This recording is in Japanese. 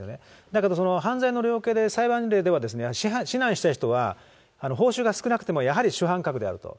だけど、犯罪の量刑で、裁判例では、指南した人は報酬が少なくてもやはり主犯格であると。